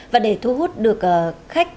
và để thu hút được khách